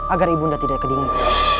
agar ibunda tidak kedingin